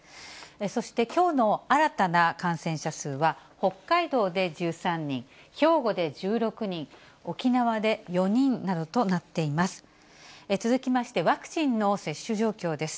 そしてきょうの新たな感染者数は、北海道で１３人、兵庫で１６人、沖縄で４人などとなっています。